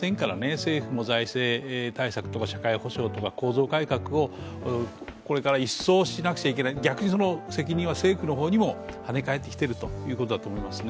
政府も財政対策とか社会保障とか構造改革をこれから一掃しなくちゃいけない、その責任は政府の方にもはね返ってきているということだと思いますね。